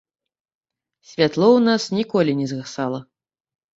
Святло ў нас ніколі не згасала.